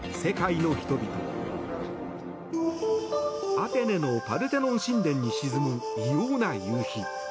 アテネのパルテノン神殿に沈む異様な夕日。